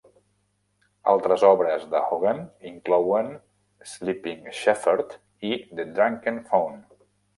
Altres obres de Hogan inclouen "Sleeping Shepherd" i "The Drunken Faun".